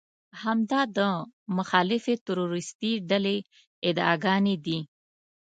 همدا د مخالفې تروريستي ډلې ادعاګانې دي.